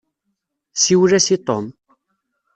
Siwel-as i Tom.